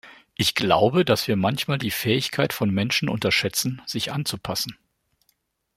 Ich glaube, dass wir manchmal die Fähigkeit von Menschen unterschätzen, sich anzupassen.